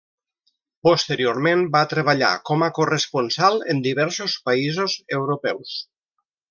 Posteriorment, va treballar com a corresponsal en diversos països europeus.